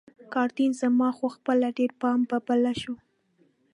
کاترین: زما خو خپله ډېر پام په بله شو.